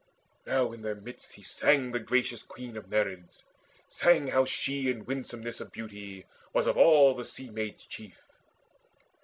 Now in their midst he sang the gracious Queen Of Nereids, sang how she in willsomeness Of beauty was of all the Sea maids chief.